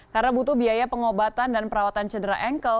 karena butuh biaya pengobatan dan perawatan cedera engkel